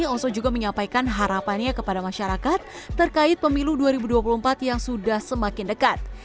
oso juga menyampaikan harapannya kepada masyarakat terkait pemilu dua ribu dua puluh empat yang sudah semakin dekat